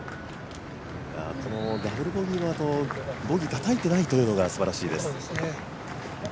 このダブルボギーのあとボギーをたたいてないというのがすばらしいです。